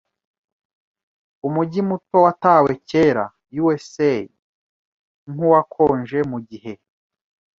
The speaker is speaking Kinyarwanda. Umujyi muto, watawe kera, usa nkuwakonje mugihe .